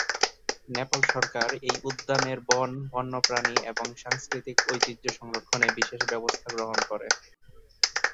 নেপাল সরকার এই উদ্যানের বন, বন্যপ্রাণী এবং সাংস্কৃতিক ঐতিহ্য সংরক্ষণে বিশেষ ব্যবস্থা গ্রহণ করে।